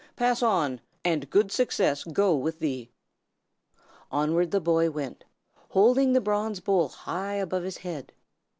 Pass on, and good success go with thee!" Onward the boy went, holding the bronze bowl high above his head.